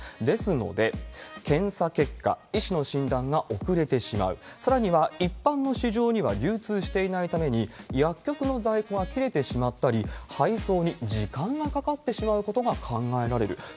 ですので、検査結果、医師の診断が遅れてしまう、さらには、一般の市場には流通していないために、薬局の在庫が切れてしまったり、配送に時間がかかってしまうことが考えられる。